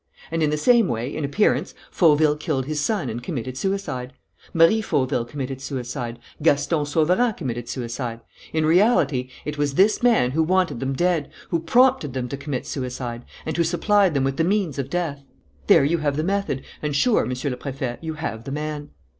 And, in the same way, in appearance, Fauville killed his son and committed suicide; Marie Fauville committed suicide; Gaston Sauverand committed suicide. In reality, it was this man who wanted them dead, who prompted them to commit suicide, and who supplied them with the means of death. "There you have the method, and there, Monsieur le Préfet, you have the man."